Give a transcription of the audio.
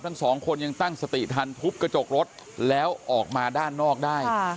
ทั้งสองคนยังตั้งสติทันทุบกระจกรถแล้วออกมาด้านนอกได้